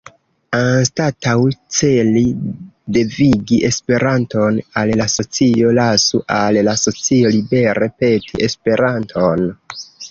Anstataŭ celi devigi Esperanton al la socio, lasu al la socio libere peti Esperanton.